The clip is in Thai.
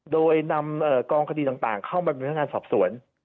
โดยนำกองคดีต่างเข้ามาเป็นพนักงานสอบสวน